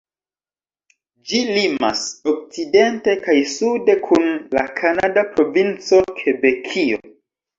Ĝi limas okcidente kaj sude kun la kanada provinco Kebekio.